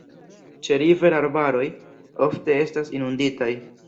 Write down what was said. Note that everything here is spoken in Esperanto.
Ĉeriver-arbaroj ofte estas inunditaj.